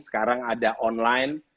sekarang ada online